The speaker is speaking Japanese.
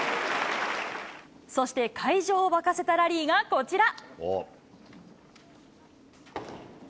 そして、会場を沸かせたラリーがこちら。